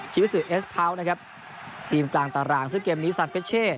ชีวิตสื่อเอสเพ้านะครับทีมกลางตารางซึ่งเกมนี้ซานเฟชเช่